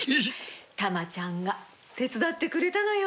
玉ちゃんが手伝ってくれたのよ。